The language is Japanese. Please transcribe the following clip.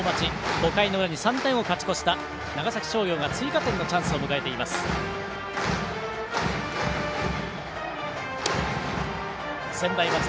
５回の裏に３点を勝ち越した長崎商業が追加点のチャンスを迎えています。